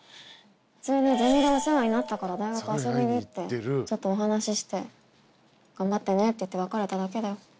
普通にゼミでお世話になったから大学遊びに行ってちょっとお話しして「頑張ってね」って言って別れただけだよ。